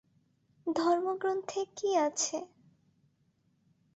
ধর্মগ্রন্থে কি আছে?